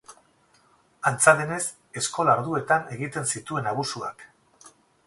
Antza denez, eskola-orduetan egiten zituen abusuak.